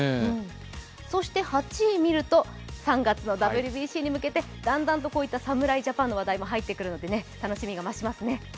そして８位を見ると、３月のＷＢＣに向けてだんだんと、こういった侍ジャパンの話題も入ってくるので、楽しみが増しますね。